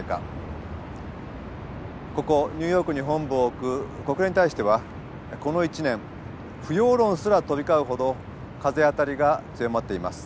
ここニューヨークに本部を置く国連に対してはこの１年不要論すら飛び交うほど風当たりが強まっています。